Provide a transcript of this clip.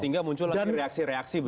sehingga muncul lagi reaksi reaksi